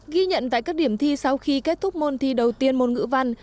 ghi nhận tại các điểm thi sau khi kết thúc môn thi đầu tiên môn ngữ văn